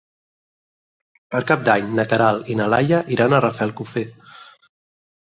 Per Cap d'Any na Queralt i na Laia iran a Rafelcofer.